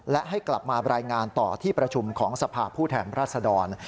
และให้กลับมารายงานต่อที่ประชุมของสภาพผู้แทนราชดร